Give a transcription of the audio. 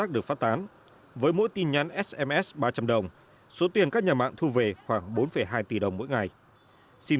có những biện pháp mẽ để xử lý các nhà mạng viễn thông việc thu hồi sim